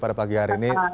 pada pagi hari ini